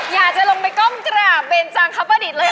อยากจะลงไปก้มกราบเบนจังครับประดิษฐ์เลย